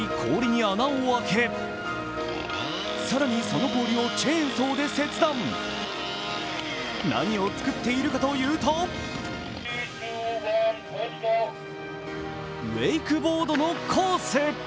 更に、その氷をチェーンソーで切断何を作っているかというとウェイクボードのコース。